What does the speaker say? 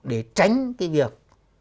để tránh cái việc